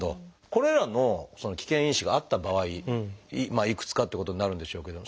これらの危険因子があった場合いくつかということになるんでしょうけど